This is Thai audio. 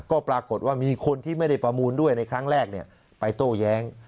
ก็ปรากฏว่ามีคนที่ไม่ได้ประมูลด้วยในครั้งแรกไปโต้แย้ง